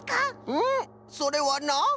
うんそれはな